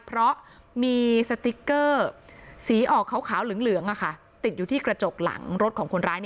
เพราะมีสติ๊กเกอร์สีออกขาวเหลืองติดอยู่ที่กระจกหลังรถของคนร้าย